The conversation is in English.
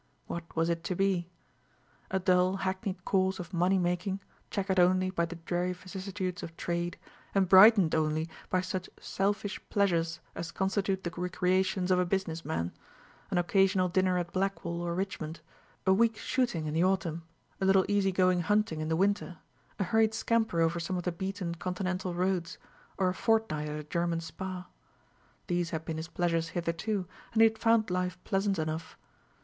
What was it to be? A dull hackneyed course of money making, chequered only by the dreary vicissitudes of trade, and brightened only by such selfish pleasures as constitute the recreations of a business man an occasional dinner at Blackwall or Richmond, a week's shooting in the autumn, a little easy going hunting in the winter, a hurried scamper over some of the beaten continental roads, or a fortnight at a German spa? These had been his pleasures hitherto, and he had found life pleasant enough.